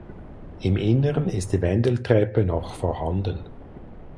Im Innern ist die Wendeltreppe noch vorhanden.